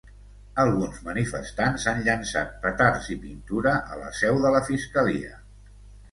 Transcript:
Alguns manifestants han llençat petards i pintura a la seu de la fiscalia.